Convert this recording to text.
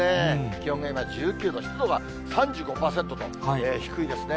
気温が今１９度、湿度が３５％と低いですね。